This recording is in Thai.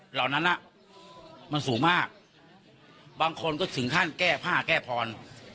เหล่านั้นมันสูงมากบางคนก็ถึงขั้นแก้ผ้าแก้พร